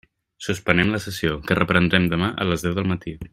Suspenem la sessió, que reprendrem demà a les deu del matí.